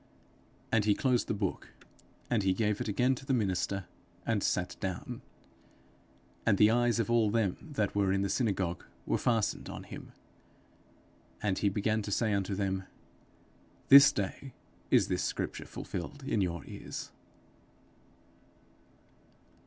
And he closed the book, and he gave it again to the minister, and sat down. And the eyes of all them that were in the synagogue were fastened on him. And he began to say unto them, 'This day is this scripture fulfilled in your ears.'